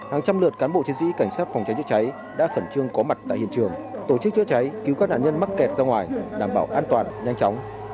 hàng trăm lượt cán bộ chiến sĩ cảnh sát phòng cháy chữa cháy đã khẩn trương có mặt tại hiện trường tổ chức chữa cháy cứu các nạn nhân mắc kẹt ra ngoài đảm bảo an toàn nhanh chóng